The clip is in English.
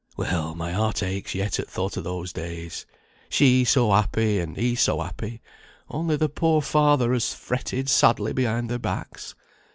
Well, my heart aches yet at thought of those days. She so happy, and he so happy; only the poor father as fretted sadly behind their backs.